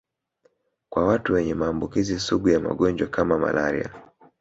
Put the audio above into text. Kwa watu wenye maambukizi sugu ya magonjwa kama malaria